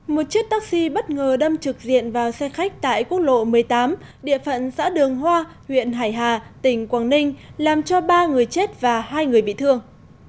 một chiếc taxi bất ngờ đâm trực diện vào xe khách tại quốc lộ một mươi tám địa phận xã đường hoa huyện hải hà tỉnh quảng ninh làm cho ba người chết và hai người bị thương